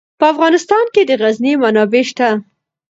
په افغانستان کې د غزني منابع شته.